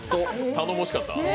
頼もしかった？